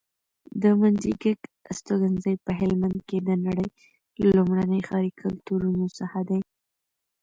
د منډیګک استوګنځی په هلمند کې د نړۍ لومړني ښاري کلتورونو څخه دی